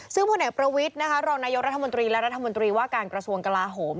ซึ่งผลเอกประวิทย์นะคะรองนายกรัฐมนตรีและรัฐมนตรีว่าการกระทรวงกลาโหม